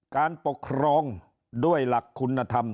การปกครองด้วยหลักคุณธรรม